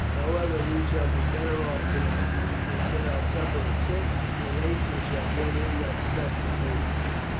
However, we shall be better off to night. We get our supper at six, and at eight we shall get in that stuff you paid for.